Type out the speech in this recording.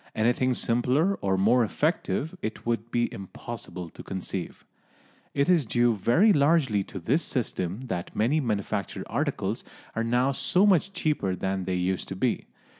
Anything simpler or more effective it would be impossible to conceive. It is due very largely to this system that many manufactured articles are now so much cheaper than they used to be.